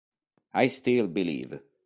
I Still Believe